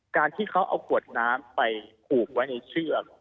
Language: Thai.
การที่เขาเอาขวดน้ำไปผูกไว้ในเชือก